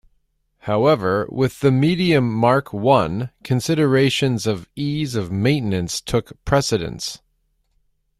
However, with the Medium Mark One considerations of ease of maintenance took precedence.